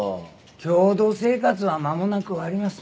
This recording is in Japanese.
共同生活は間もなく終わります。